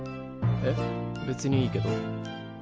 えっ別にいいけど。